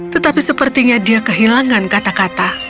tetapi sepertinya dia kehilangan kata kata